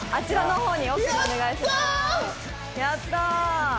やったー！